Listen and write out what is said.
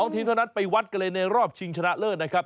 ทีมเท่านั้นไปวัดกันเลยในรอบชิงชนะเลิศนะครับ